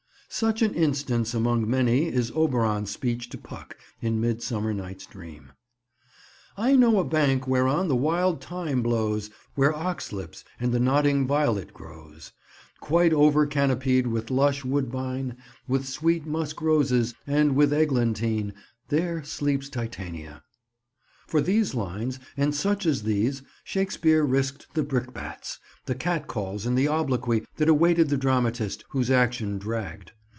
Such an instance, among many, is Oberon's speech to Puck, in Midsummer Night's Dream— "I know a bank whereon the wild thyme blows, Where ox lips and the nodding violet grows; Quite over canopied with lush woodbine, With sweet musk roses, and with eglantine: There sleeps Titania." For these lines and such as these Shakespeare risked the brickbats, the cat calls and the obloquy that awaited the dramatist whose action dragged.